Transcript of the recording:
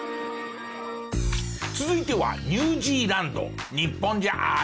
続いてはニュージーランド。